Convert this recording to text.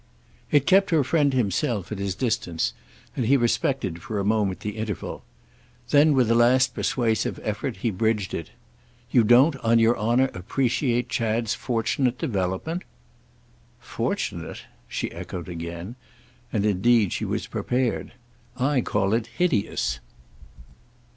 It kept her friend himself at his distance, and he respected for a moment the interval. Then with a last persuasive effort he bridged it. "You don't, on your honour, appreciate Chad's fortunate development?" "Fortunate?" she echoed again. And indeed she was prepared. "I call it hideous."